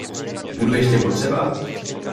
Budu ještě potřeba?